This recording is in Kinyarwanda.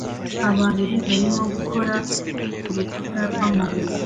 Abantu babiri barimo gukora kurukuta rwamabuye